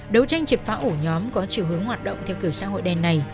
đấu tranh chiếp phá ủ nhóm có chiều hướng hoạt động theo kiểu xã hội đen này